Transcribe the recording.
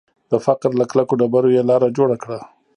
د فقر له کلکو ډبرو یې لاره جوړه کړه